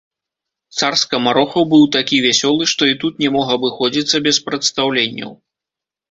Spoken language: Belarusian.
Цар скамарохаў быў такі вясёлы, што і тут не мог абыходзіцца без прадстаўленняў.